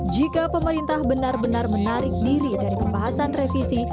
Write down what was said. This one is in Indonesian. jika pemerintah benar benar menarik diri dari pembahasan revisi